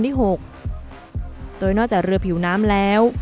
โดยนอกจากเรือผิวน้ำแล้ว